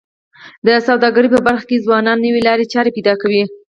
د سوداګرۍ په برخه کي ځوانان نوې لارې چارې پیدا کوي.